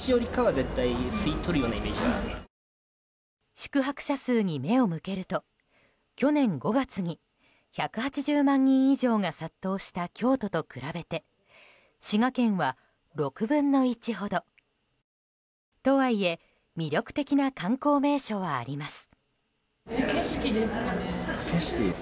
宿泊者数に目を向けると去年５月に１８０万人以上が殺到した京都と比べて滋賀県は６分の１ほど。とはいえ魅力的な観光名所はあります。